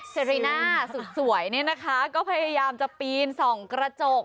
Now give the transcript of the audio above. เรน่าสุดสวยเนี่ยนะคะก็พยายามจะปีนส่องกระจก